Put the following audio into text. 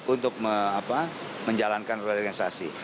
untuk menjalankan realisasi